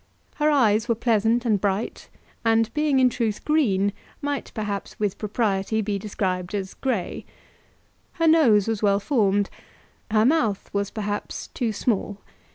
Her eyes were pleasant and bright, and, being in truth green, might, perhaps with propriety, be described as grey. Her nose was well formed. Her mouth was, perhaps, too small.